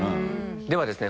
ではですね